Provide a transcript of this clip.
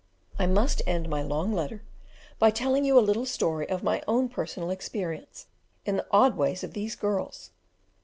I must end my long letter by telling you a little story of my own personal experience in the odd ways of these girls.